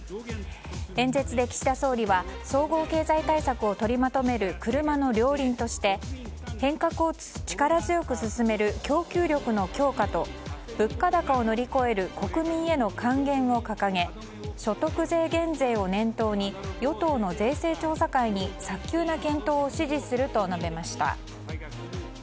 演説で岸田総理は総合経済対策を取りまとめる車の両輪として変革を力強く進める供給力の強化と物価高を乗り越える国民への還元を掲げ所得税減税を念頭に与党の税制調査会に早急な検討を指示すると述べました。